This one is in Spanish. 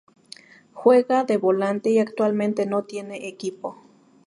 Juega de volante, y actualmente no tiene equipo.